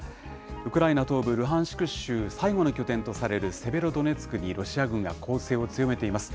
ウクライナ東部ルハンシク州、最後の拠点とされるセベロドネツクに、ロシア軍が攻勢を強めています。